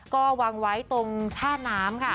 ก็วางไว้ตรงท่าน้ำค่ะ